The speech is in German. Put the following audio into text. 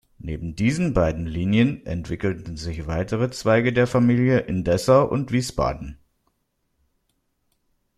Neben diesen beiden Linien entwickelten sich weitere Zweige der Familie in Dessau und Wiesbaden.